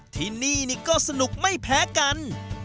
ที่นี่นี่ก็สนุกไม่แพ้กัน